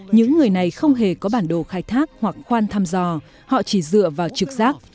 những người này không hề có bản đồ khai thác hoặc khoan thăm dò họ chỉ dựa vào trực rác